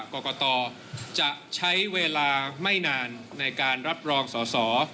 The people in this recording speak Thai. กรกตจะใช้เวลาไม่นานในการรับรองสอสอ